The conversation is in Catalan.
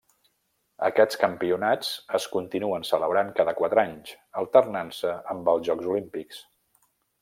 Aquests campionats es continuen celebrant cada quatre anys, alternant-se amb els Jocs Olímpics.